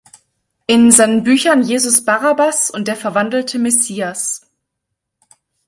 In seinen Büchern "Jesus Barabbas" und "Der verwandelte Messias.